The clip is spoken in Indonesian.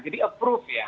jadi approve ya